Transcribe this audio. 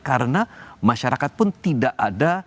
karena masyarakat pun tidak ada